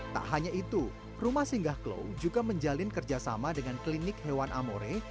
tak hanya itu rumah singgah klau juga menjalin kerjasama dengan klinik hewan amore